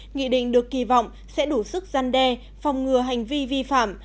nghị định được kỳ vọng sẽ đủ sức gian đe phòng ngừa hành vi vi phạm